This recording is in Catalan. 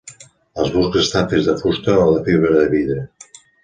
Els bucs estan fets de fusta o de fibra de vidre.